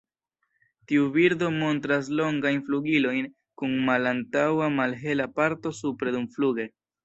Tiu birdo montras longajn flugilojn kun malantaŭa malhela parto supre dumfluge.